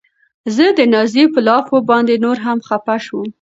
زه د نازيې په لافو باندې نوره هم خپه شوم.